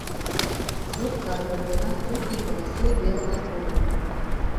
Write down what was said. Зорка абрамлена тонкай паласой белага колеру.